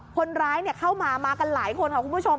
คนร้ายเข้ามามากันหลายคนค่ะคุณผู้ชม